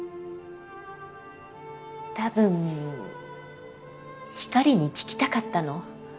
多分光に聞きたかったの。